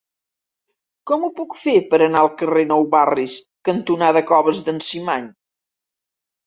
Com ho puc fer per anar al carrer Nou Barris cantonada Coves d'en Cimany?